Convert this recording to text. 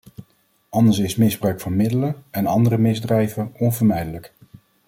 Anders is misbruik van middelen, en andere misdrijven, onvermijdelijk.